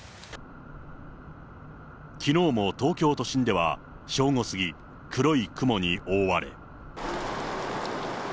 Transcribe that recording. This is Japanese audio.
きのうも東京都心では、正午過ぎ、黒い雲に覆われ。